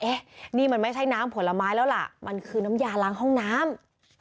นี่มันไม่ใช่น้ำผลไม้แล้วล่ะมันคือน้ำยาล้างห้องน้ำ